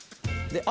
あ！